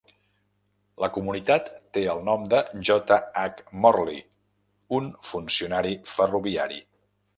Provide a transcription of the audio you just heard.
La comunitat té el nom de J. H. Morley, un funcionari ferroviari.